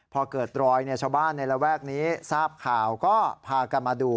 พอเกิดรอยชาวบ้านในระแวกนี้ทราบข่าวก็พากันมาดู